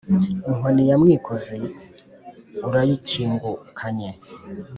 nkoni ya mwikozi urayikingukanye.